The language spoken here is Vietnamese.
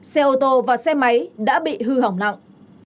xe ô tô và xe máy đã bị hư hỏng nặng